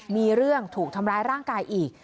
มีเรื่องถูกทำร้ายร่างกายอีก